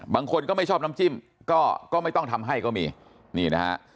บางคนก็ไม่ชอบน้ำจิ้มก็ไม่ต้องทำให้ก็มีนี่นะฮะ